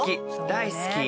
大好き。